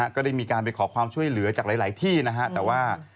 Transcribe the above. ก็ได้มีการไปขอความช่วยเหลือจากหลายที่นะฮะแต่ว่า